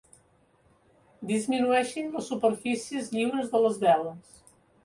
Disminueixin les superfícies lliures de les veles.